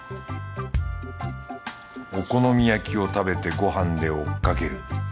お好み焼きを食べてご飯で追っかける。